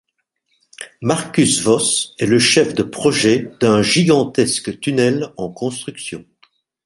Markus Voss est le chef de projet d'un gigantesque tunnel en construction.